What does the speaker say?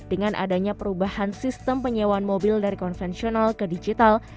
dengan adanya perubahan sistem penyewaan mobil dari konvensional ke digital